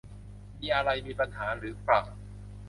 มีอะไรมีปัญหาหรือเปล่า